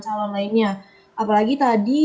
calon lainnya apalagi tadi